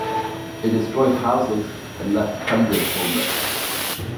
It destroyed houses and left hundreds homeless.